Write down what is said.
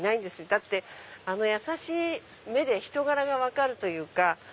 だってあの優しい目で人柄が分かるというか。